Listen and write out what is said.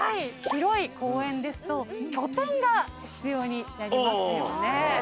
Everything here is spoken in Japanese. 広い公園ですと拠点が必要になりますよね。